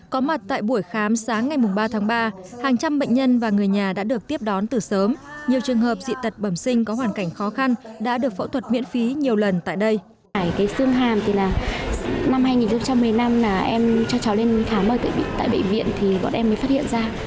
có mặt tại buổi khám sáng ngày ba tháng ba hàng trăm bệnh nhân và người nhà đã được tiếp đón từ sớm nhiều trường hợp dị tật bẩm sinh có hoàn cảnh khó khăn đã được phẫu thuật miễn phí nhiều lần tại đây